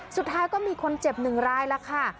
สุดท้ายก็มีคนเจ็บหนึ่งรายแล้วค่ะ